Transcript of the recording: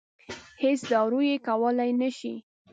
هېڅ دارو یې کولای نه شي.